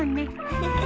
フフフ。